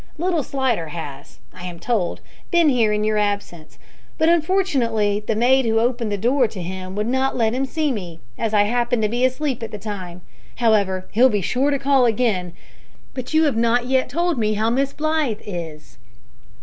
Little Slidder has, I am told, been here in your absence, but unfortunately the maid who opened the door to him would not let him see me, as I happened to be asleep at the time. However, he'll be sure to call again. But you have not told me yet how Miss Blythe is."